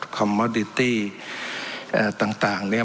คอมมอดิตี้ต่างเนี่ย